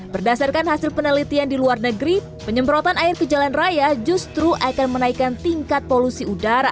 berdasarkan hasil penelitian di luar negeri penyemprotan air ke jalan raya justru akan menaikkan tingkat polusi udara